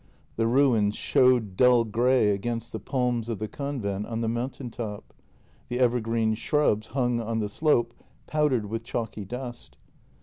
The ruins showed dull grey against the palms of the convent on the mountain top; the evergreen shrubs hung on the slope, powdered with chalky dust.